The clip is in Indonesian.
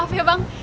maaf ya bang